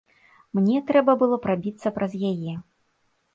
Мне трэба было прабіцца праз яе.